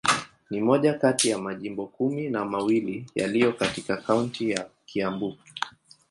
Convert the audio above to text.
Ni moja kati ya majimbo kumi na mawili yaliyo katika kaunti ya Kiambu.